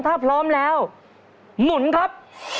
ถ้าพร้อมแล้วหมุนครับ